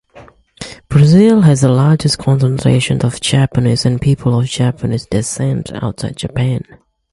Brazil has the largest concentration of Japanese and people of Japanese descent outside Japan.